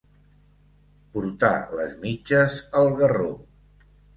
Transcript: Portar les mitges al garró.